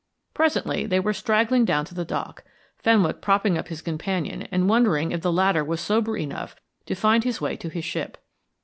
Presently they were straggling down to the dock, Fenwick propping up his companion and wondering if the latter was sober enough to find his way to his ship.